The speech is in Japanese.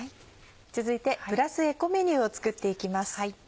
続いてプラスエコメニューを作っていきます。